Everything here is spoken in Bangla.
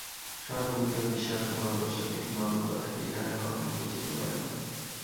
সহানুভূতি ও নিঃস্বার্থ ভালবাসার ঠিক মর্মকথাটি ইহারা কখনও বুঝিতে পারে না।